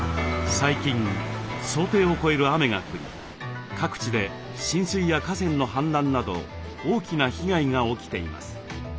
最近想定を超える雨が降り各地で浸水や河川の氾濫など大きな被害が起きています。